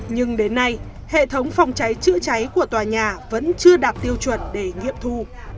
nhưng đến nay hệ thống phòng cháy chữa cháy của tòa nhà vẫn chưa đạt tiêu chuẩn để nghiệm thu